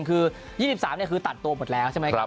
คือ๒๓คือตัดตัวหมดแล้วใช่ไหมครับ